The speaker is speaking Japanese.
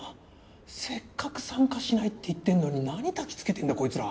せっかく参加しないって言ってんのになにたきつけてんだコイツら。